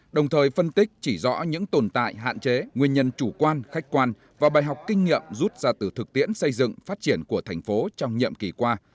đồng thời phân tích chỉ rõ những tồn tại hạn chế nguyên nhân chủ quan khách quan và bài học kinh nghiệm rút ra từ thực tiễn xây dựng phát triển của thành phố trong nhiệm kỳ qua